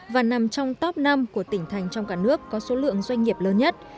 và nằm trong top năm của tỉnh thành trong cả nước có số lượng doanh nghiệp lớn nhất